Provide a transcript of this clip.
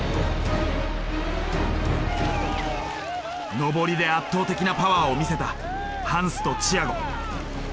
上りで圧倒的なパワーを見せたハンスとチアゴ。